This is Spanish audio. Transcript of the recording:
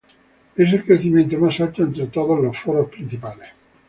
Es el crecimiento más alto entre todos los foros principales.